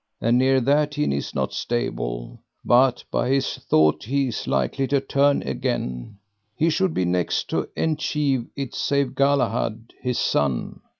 And nere that he nis not stable, but by his thought he is likely to turn again, he should be next to enchieve it save Galahad, his son.